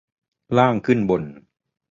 ล่างขึ้นบน